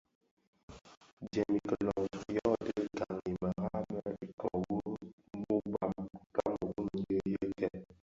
Djèm i kilōň yodhi gaň i merad më ikō wu muu mbam kameru nyi yëkèn.